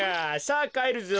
さあかえるぞ。